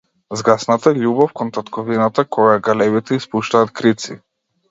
Згасната љубов кон татковината, кога галебите испуштаат крици.